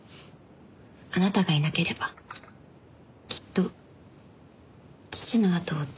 あなたがいなければきっと父のあとを追ってた。